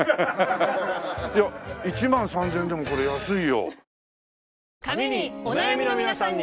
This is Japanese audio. いや１万３０００円でもこれ安いよ。